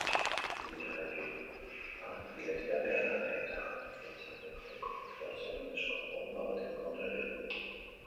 Ibilgailua bidetik atera da eta etxalde bateko porlanezko horma baten kontra jo du.